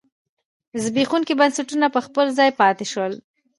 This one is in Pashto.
زبېښونکي بنسټونه په خپل ځای پاتې شول.